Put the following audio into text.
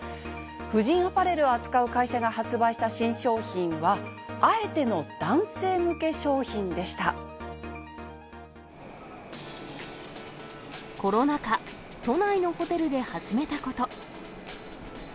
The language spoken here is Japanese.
婦人アパレルを扱う会社が発売した新商品は、コロナ禍、都内のホテルで始めたこと。